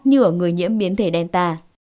như ở người nhiễm biến thể delta